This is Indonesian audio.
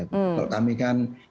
kalau kami kan